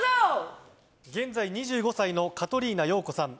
現在、２５歳のカトリーナ陽子さん。